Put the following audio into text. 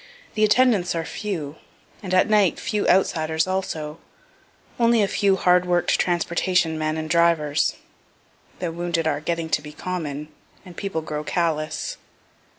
The attendants are few, and at night few outsiders also only a few hard work'd transportation men and drivers. (The wounded are getting to be common, and people grow callous.)